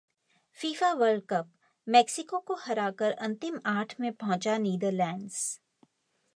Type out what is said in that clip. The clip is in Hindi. फीफा वर्ल्ड कपः मैक्सिको को हराकर अंतिम आठ में पहुंचा नीदरलैंड्स